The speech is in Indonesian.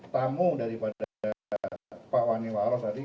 tamu daripada pak wani waros tadi